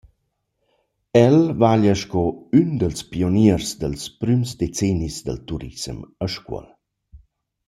El vaglia sco ün dals pioniers dals prüms decenis dal turissem a Scuol.